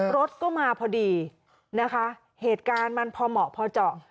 รถก็มาพอดีนะคะเหตุการณ์มันพอเหมาะพอเจาะ